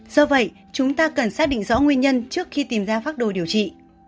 do vậy chúng ta cần xác định rõ nguyên nhân trước khi tìm ra phác đồ điều trị